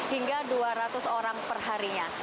lima puluh hingga dua ratus orang perharinya